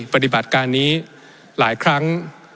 ปฏิบัติการนี้หลายครั้ง